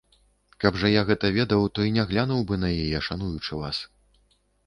Каб жа я гэта ведаў, то і не глянуў бы на яе, шануючы вас.